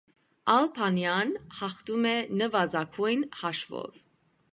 Ալբանիան հաղթում է նվազագույն հաշվով։